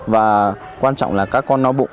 và quan trọng là các con no bụng